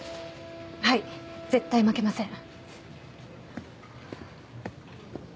はい絶対負けません。